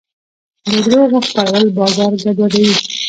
د دروغو خپرول بازار ګډوډوي.